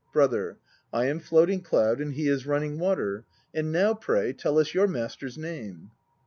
BROTHER. I am Floating Cloud and he is Running Water. And now, pray, tell us your master's name.